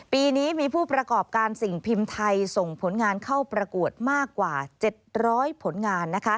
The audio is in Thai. ปีนี้มีผู้ประกอบการสิ่งพิมพ์ไทยส่งผลงานเข้าประกวดมากกว่า๗๐๐ผลงาน